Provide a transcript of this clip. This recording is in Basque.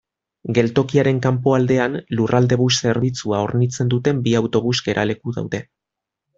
Geltokiaren kanpoaldean Lurraldebus zerbitzua hornitzen duten bi autobus geraleku daude.